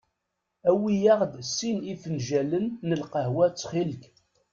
Awi-aɣ-d sin ifenǧalen n lqahwa ttxil-k.